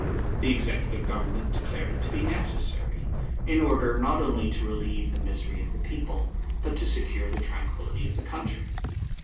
The Executive Government declared it to be necessary, in order not only to relieve the misery of the people, but to secure the tranquillity of the country.